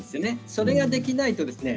それができないとですね